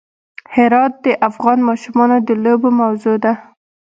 هرات د افغان ماشومانو د لوبو موضوع ده.